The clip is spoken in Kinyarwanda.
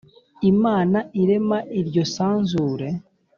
Imana irema iryo sanzure